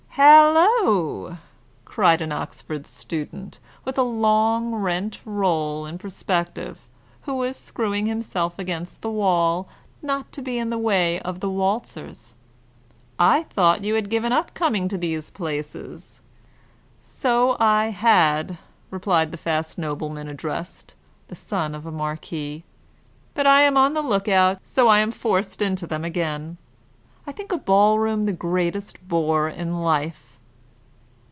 "Halloo!" cried an Oxford student, with a long rent roll in prospective, who was screwing himself against the wall, not to be in the way of the waltzers, "I thought you had given up coming to these places?" "So I had," replied the fast nobleman addressed, the son of a marquis. "But I am on the lookout, so am forced into them again. I think a ball room the greatest bore in life."